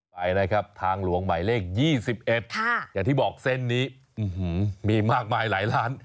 ไปนะครับทางหลวงหมายเลข๒๑อย่างที่บอกเส้นนี้มีมากมายหลายล้าน